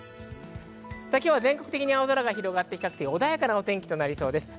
今日は全国的に青空が広がって比較的に穏やかな天気となりそうです。